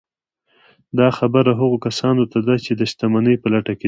دا خبره هغو کسانو ته ده چې د شتمنۍ په لټه کې دي